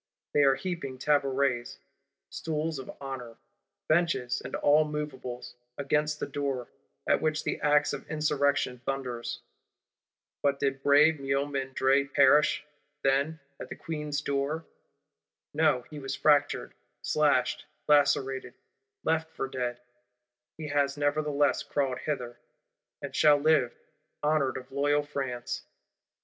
They are heaping tabourets (stools of honour), benches and all moveables, against the door; at which the axe of Insurrection thunders.—But did brave Miomandre perish, then, at the Queen's door? No, he was fractured, slashed, lacerated, left for dead; he has nevertheless crawled hither; and shall live, honoured of loyal France.